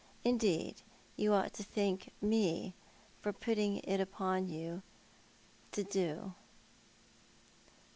Indeed, you ought to thank me for putting it upon you to do."